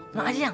tenang aja yang